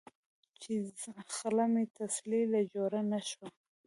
چې خله مې تسلۍ له جوړه نۀ شوه ـ